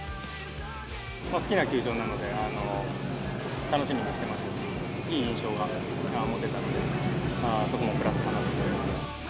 好きな球場なので、楽しみにしてましたし、いい印象も持てたので、そこもプラスかなと思います。